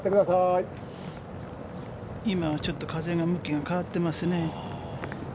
今ちょっと風の向きが変わってますね。